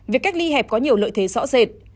việc cách ly hẹp có nhiều lợi thế rõ rệt